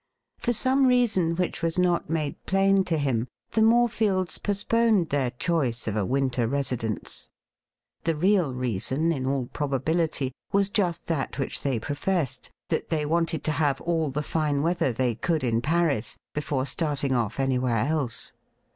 For some reason which was not :made plain to him, the Morefields postponed their choice 'of a winter residence. Tlie real reason, in all probability, was just that which they professed— that they wanted to .have all the fine weather they could in Paris before starting off anywhere else.